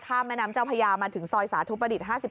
แม่น้ำเจ้าพญามาถึงซอยสาธุประดิษฐ์๕๓